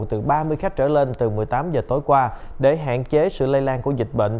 từ ba mươi khách trở lên từ một mươi tám h tối qua để hạn chế sự lây lan của dịch bệnh